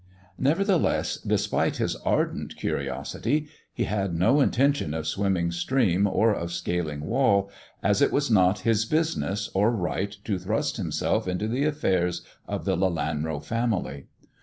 Nevertheless, despite his ardent curiosity, he had no intention of swim 26 THE dwarf's chamber ming stream or of scaling wall, as it was not his business or right, to thrust himself into the affairs of the Lelanrc family.